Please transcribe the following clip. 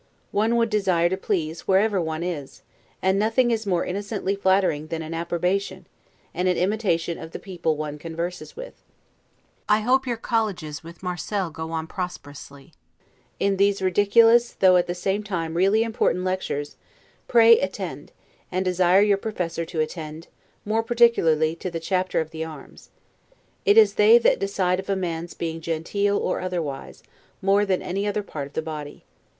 One would desire to please, wherever one is; and nothing is more innocently flattering than an approbation, and an imitation of the people one converses with. I hope your colleges with Marcel go on prosperously. In these ridiculous, though, at the same time, really important lectures, pray attend, and desire your professor also to attend, more particularly to the chapter of the arms. It is they that decide of a man's being genteel or otherwise, more than any other part of the body.